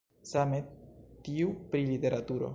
Same tiu pri literaturo.